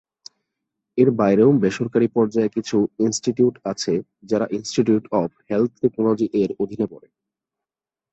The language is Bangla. এর বাইরেও বেসরকারী পর্যায়ে কিছু ইনস্টিটিউট আছে যারা ইনস্টিটিউট অব হেলথ টেকনোলজি এর অধীনে পড়ে।